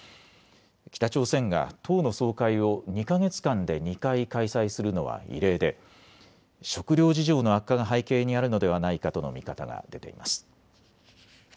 北朝鮮が党の総会を２か月間で２回開催するのは異例で食料事情の悪化が背景にあるのではないかとの見方が出ています。